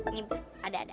ini ibu ada ada